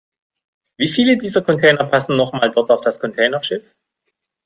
Wie viele dieser Container passen noch mal dort auf das Containerschiff?